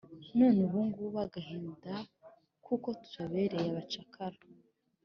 none ubu ngubu agahinda k’uko tubabereye abacakara